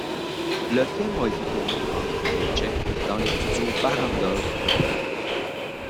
Le film a été tourné en République tchèque, dans les studios Barrandov de Prague.